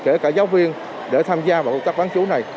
kể cả giáo viên để tham gia vào công tác bán chú này